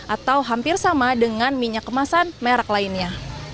atau hampir sama dengan minyak kemasan merek lainnya